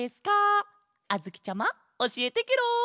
あづきちゃまおしえてケロ！